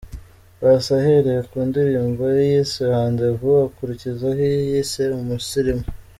Paccy ahereye ku ndirimbo ye yise ’Rendez-Vous’ akurikizaho iyo yise ’Umusirimu’.